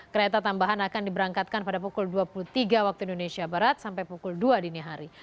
kereta tambahan akan diberangkatkan pada pukul dua puluh tiga waktu indonesia barat sampai pukul dua dini hari